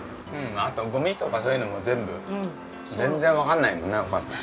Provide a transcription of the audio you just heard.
あとゴミとかそういうのも全部全然わかんないもんねお母さん。